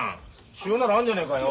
塩ならあんじゃねえかよ。